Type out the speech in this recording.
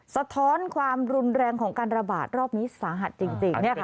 สะท้อนความรุนแรงของการระบาดรอบนี้สาหัสจริง